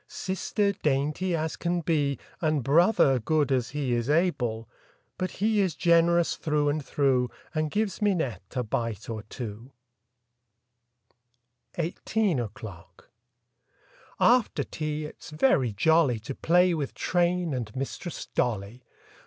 Sister dainty as can be, And Brother good as he is able. But he is generous through and through, And gives Minette a bite or two. 45 SEVENTEEN O'CLOCK 47 EIGHTEEN O'CLOCK 4ETER tea it's very jolly lTL To play with train and Mistress Dolly.